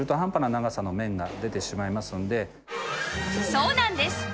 そうなんです